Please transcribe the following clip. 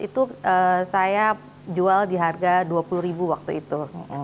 dua ribu empat belas itu saya jual di harga rp dua puluh waktu itu